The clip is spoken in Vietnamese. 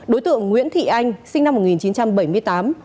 đối tượng nguyễn thị anh sinh năm một nghìn chín trăm bảy mươi tám